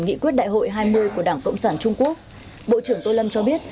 nghị quyết đại hội hai mươi của đảng cộng sản trung quốc bộ trưởng tô lâm cho biết